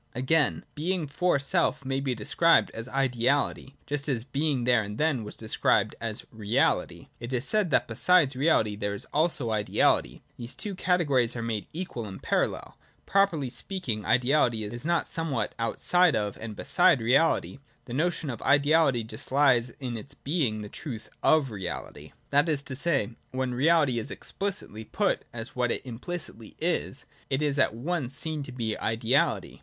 — Again, Being for self may be described as ideality, just as Being there and then was described as realit y. / It is said, that besides reality there is also an ideality. Thus the two categories are made equal and parallel. Properly speaking, ideality is not somewhat out N 2 l8o THE DOCTRINE OF BEING. [96, 97. side of and beside reality: the notion of ideality just lies in its being the truth of reality. That is to say, when reality is explicitly put as what it implicitly is, it is at once seen to be ideality.